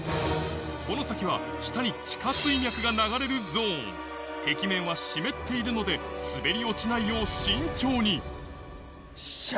この先は下に地下水脈が流れるゾーン壁面は湿っているので滑り落ちないよう慎重にっしゃ！